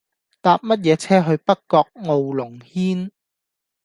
搭乜嘢車去北角傲龍軒